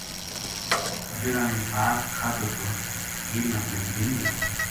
جہڑاں نے ساگ کھادو تھو جن ما علم دین بھی تھو